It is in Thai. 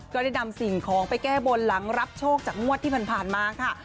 ก็ได้นำสิ่งของไปแก้บนหลังรับโชคจากงวดที่ผ่านมาค่ะ